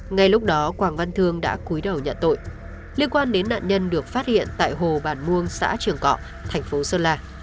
ngay lúc đó quảng văn thương đã cuối đầu nhận tội liên quan đến nạn nhân được phát hiện tại hồ bản muông xã trường cọ thành phố sơn la